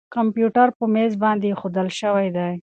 کمپیوټر په مېز باندې اېښودل شوی دی.